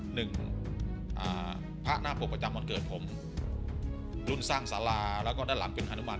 หนึ่งพระหน้า